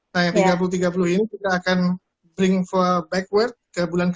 nah yang tiga puluh tiga puluh ini kita akan bring for backward ke bulan tiga puluh